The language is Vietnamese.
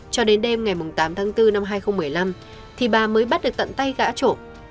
cho đến đêm ngày tám tháng bốn năm hai nghìn một mươi năm thì bà mới bắt được tận tay gã trộn